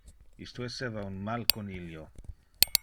Isto esseva un mal conilio.